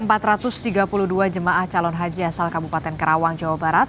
empat ratus tiga puluh dua jemaah calon haji asal kabupaten karawang jawa barat